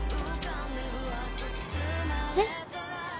えっ？